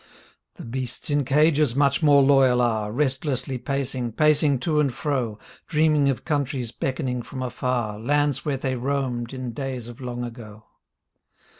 The beasts in cages much more loyal are. Restlessly pacing, pacing to and fro. Dreaming of countries beckoning from afar. Lands where they roamed in days of long ago.